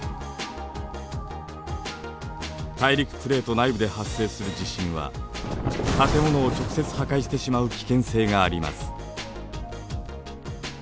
大陸プレート内部で発生する地震は建物を直接破壊してしまう危険性があります。